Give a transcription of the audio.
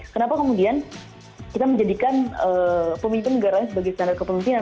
kenapa kemudian kita menjadikan pemimpin negaranya sebagai standar kepemimpinan